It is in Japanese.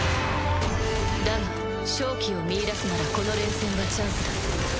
だが勝機を見いだすならこの連戦はチャンスだ。